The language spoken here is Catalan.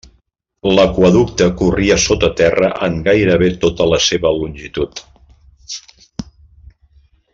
L'aqüeducte corria sota terra en gairebé tota la seva longitud.